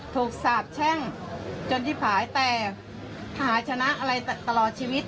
สาบแช่งจนที่ผายแต่หาชนะอะไรตลอดชีวิต